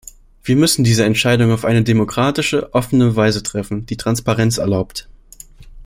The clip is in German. Wir müssen diese Entscheidung auf eine demokratische, offene Weise treffen, die Transparenz erlaubt.